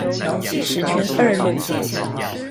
十全二路